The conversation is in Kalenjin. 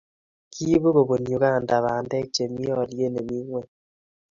kiibuu kobunu Uganda bandek chemii olyet nemi ng'weny